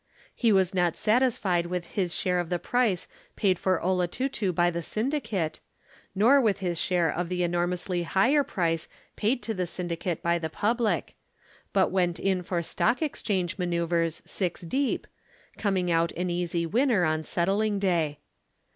He was not satisfied with his share of the price paid for "Olotutu" by the syndicate, nor with his share of the enormously higher price paid to the syndicate by the public, but went in for Stock Exchange manoeuvres six deep, coming out an easy winner on settling day.